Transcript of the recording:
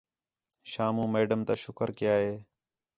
شامو میڈم تا شُکر کَیا ہے